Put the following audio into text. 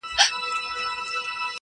تمدنونه د علم له لارې پرمختګ کوي